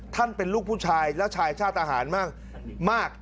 ท่านเป็นลูกผู้ชายแล้วชายชาติอาหารมาก